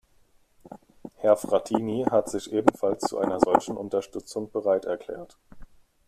Herr Frattini hat sich ebenfalls zu einer solchen Unterstützung bereit erklärt.